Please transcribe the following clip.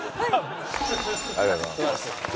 ありがとうございます。